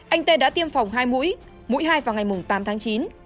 anh tê đã tiêm phòng hai mũi mũi hai vào ngày tám tháng chín